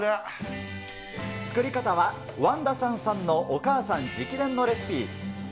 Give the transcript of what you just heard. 作り方は、ワンダサンさんのお母さん直伝のレシピ。